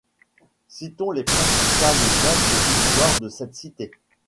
Citons les principales dates de l’histoire de cette cité.